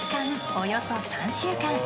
およそ３週間。